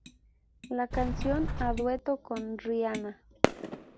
La canción, a dueto con Rihanna.